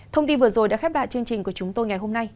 thông tin vừa rồi đã khép lại chương trình của chúng tôi ngày hôm nay